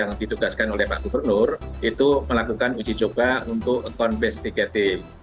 dan di sini juga sudah diperbiasakan oleh pak gubernur itu melakukan uji coba untuk akun based tiket tim